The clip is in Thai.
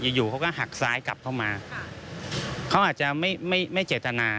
อยู่อยู่เขาก็หักซ้ายกลับเข้ามาเขาอาจจะไม่ไม่เจตนา